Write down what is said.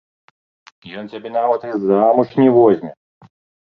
Ён цябе нават і замуж не возьме.